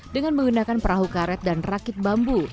dengan menggunakan perahu karet dan rakit bambu